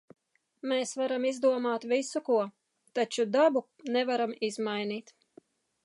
Mēs varam izdomāt visu ko, taču dabu nevaram izmainīt.